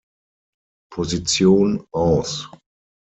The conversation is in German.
Position aus.